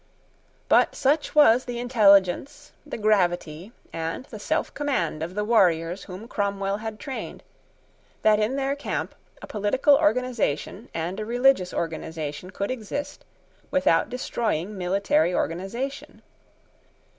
But such was the intelligence, the gravity, and the selfcommand of the warriors whom Cromwell had trained, that in their camp a political organisation and a religious organisation could exist without destroying military organisation.